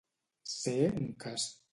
Ser un cas.